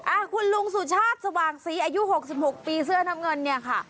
อ่ะคุณลุงสุชาติสว่างศรีอายุหกสิบหกปีเสื้อน้ำเงินเนี่ยค่ะ